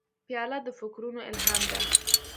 پیاله د فکرونو الهام ده.